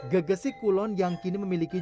gegesik kulon yang kini memiliki